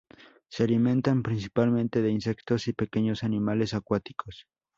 Se alimentan principalmente de insectos y pequeños animales acuáticos.